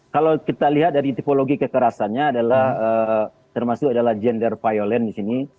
kalau kita lihat dari tipologi kekerasannya adalah termasuk adalah gender violent di sini